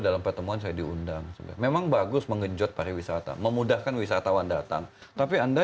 dalam pertemuan saya diundang memang bagus mengejut pariwisata memudahkan wisatawan datang tapi anda